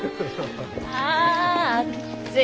ああっつい。